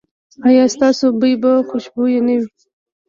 ایا ستاسو بوی به خوشبويه نه وي؟